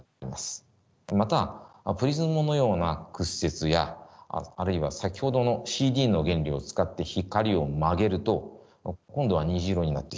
またプリズムのような屈折やあるいは先ほどのＣＤの原理を使って光を曲げると今度は虹色になってしまいます。